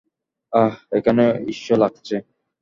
আহ, এখানে উষ্ণ লাগছে।